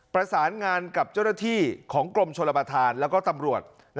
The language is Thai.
ประสานงานกับเจ้าหน้าที่ของกรมชนประธานแล้วก็ตำรวจ